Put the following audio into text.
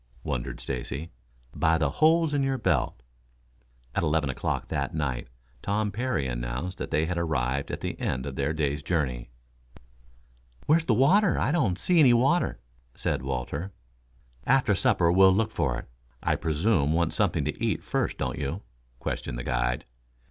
wondered Stacy. "By the holes in your belt." At eleven o'clock that night Tom Parry announced that they had arrived at the end of their day's journey. "Where's the water? I don't see any water?" said Walter. "After supper we'll look for it. I presume want something to eat first, don't you?" questioned the guide.